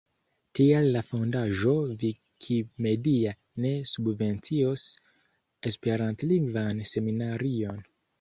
Tial la fondaĵo Vikimedia ne subvencios esperantlingvan seminarion.